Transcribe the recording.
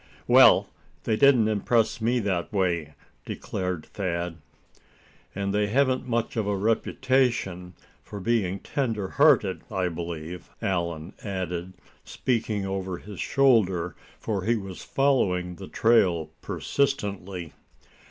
"Well, they didn't impress me that way," declared Thad. "And they haven't much of a reputation for being tenderhearted, I believe," Allan added, speaking over his shoulder, for he was following the trail persistently.